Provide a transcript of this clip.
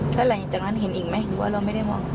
แล้วหลังจากนั้นเห็นอีกไหมหรือว่าเราไม่ได้มอง